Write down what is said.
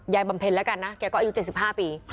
บำเพ็ญแล้วกันนะแกก็อายุ๗๕ปี